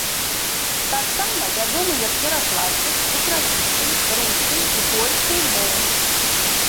Таксама вядомы як перакладчык з украінскай, рускай і польскай моў.